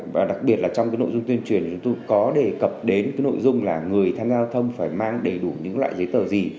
và đặc biệt là trong cái nội dung tuyên truyền thì chúng tôi có đề cập đến nội dung là người tham gia giao thông phải mang đầy đủ những loại giấy tờ gì